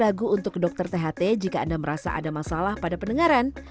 jika ada masalah untuk ke dokter tht jika anda merasa ada masalah pada pendengaran